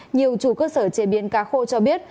nhiều chủ cơ sở chế biến cá khô cho biết